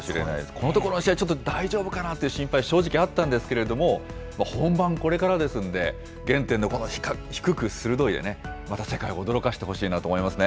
このところの試合、ちょっと大丈夫かなという心配、正直あったんですけれども、本番、これからですので、原点のこの低く鋭いタックルで、また世界を驚かせてほしいなと思いますね。